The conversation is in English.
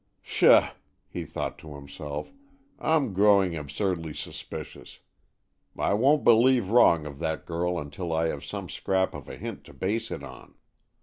"Pshaw!" he thought to himself. "I'm growing absurdly suspicious. I won't believe wrong of that girl until I have some scrap of a hint to base it on."